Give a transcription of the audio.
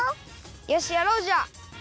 よしやろうじゃあ！